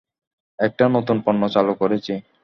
একটা নতুন পণ্য চালু করেছি।